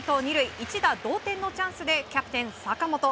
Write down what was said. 一打同点のチャンスでキャプテン坂本。